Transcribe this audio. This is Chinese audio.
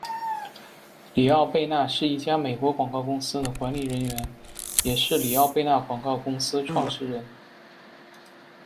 李奥·贝纳是一家美国广告公司的管理人员，也是李奥贝纳广告公司创始人。